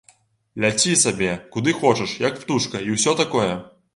Ляці сабе, куды хочаш, як птушка, і ўсё такое.